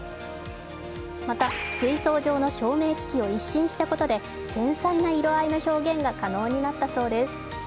また水槽上の照明機器を一新したことで繊細な色合いの表現が可能になったそうです。